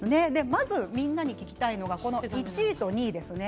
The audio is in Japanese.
まずみんなに聞きたいのが１位と２位です。